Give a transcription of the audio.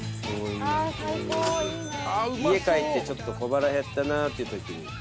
家帰ってちょっと小腹減ったなっていうときに。